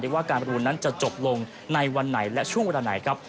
ว่าการประมูลนั้นจะจบลงในวันไหนและช่วงเวลาไหนครับ